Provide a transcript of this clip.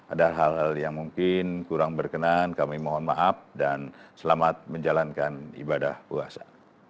ada hal hal yang mungkin kurang berkenan kami mohon maaf dan selamat menjalankan ibadah puasa